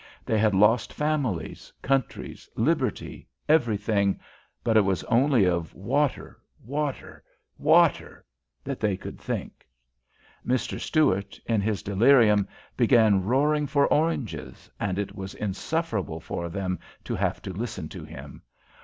They had lost families, countries, liberty, everything, but it was only of water, water, water, that they could think. Mr. Stuart, in his delirium, began roaring for oranges, and it was insufferable for them to have to listen to him.